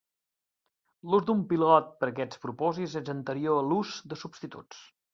L'ús d'un pilot per aquests propòsits és anterior a l'us de substituts.